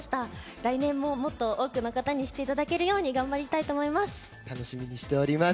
来年ももっと多くの方に知っていただけるように楽しみにしています。